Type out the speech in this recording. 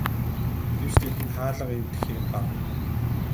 Гэвч тэдэнд хаалга эвдэх хэрэг гарна.